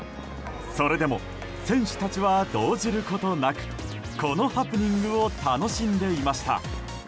それでも選手たちは動じることなくこのハプニングを楽しんでいました。